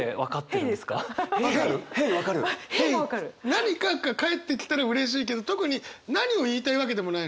何か返ってきたらうれしいけど特に何を言いたいわけでもないの。